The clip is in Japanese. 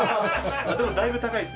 でもだいぶ高いです。